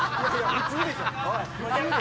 普通でしょ！